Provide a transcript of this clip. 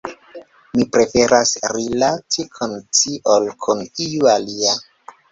mi preferas rilati kun ci, ol kun iu alia.